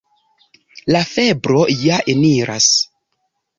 La febro ja eniras.